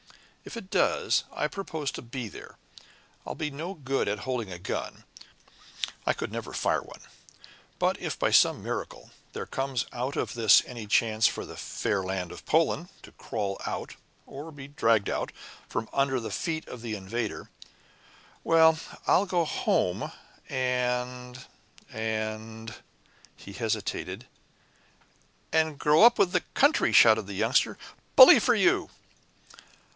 If it does, I propose to be there. I'll be no good at holding a gun I could never fire one. But if, by some miracle, there comes out of this any chance for the 'Fair Land of Poland' to crawl out, or be dragged out, from under the feet of the invader well, I'll go home and and " He hesitated. "And grow up with the country," shouted the Youngster. "Bully for you."